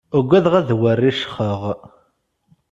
Ugadeɣ ad wriccxeɣ.